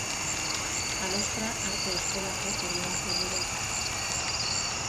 Kalostra Arte Eskolako koordinatzaile ere izan zen.